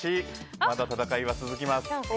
まだ戦いは続きます。